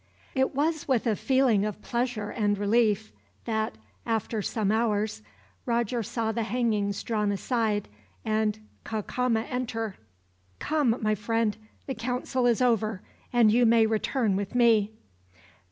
It was with a feeling of pleasure and relief that, after some hours, Roger saw the hangings drawn aside, and Cacama enter. "Come, my friend, the council is over, and you may return with me."